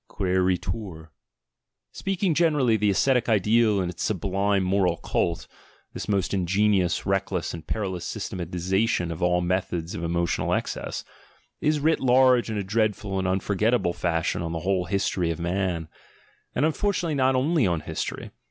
Quceritur) . Speaking gen erally, the ascetic ideal and its sublime moral cult, this most ingenious, reckless, and perilous systematisation of all methods of emotional excess, is writ large in a dreadful and unforgettable fashion on the whole history of man, and unfortunately not only on history.